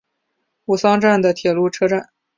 吾桑站的铁路车站。